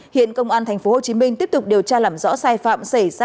hiện công an thành phố hồ chí minh tiếp tục điều tra làm rõ sai phạm xảy ra